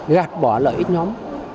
gạt bỏ lợi ít nhóm